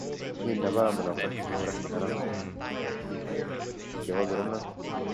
This cab can be fitted with an add-on armour kit.